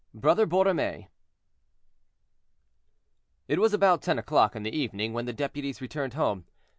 BROTHER BORROMÉE. It was about ten o'clock in the evening when the deputies returned home.